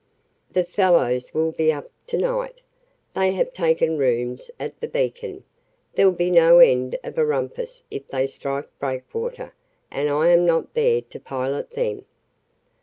"The fellows will be up to night. They have taken rooms at the Beacon. There'll be no end of a rumpus if they strike Breakwater, and I am not there to pilot them."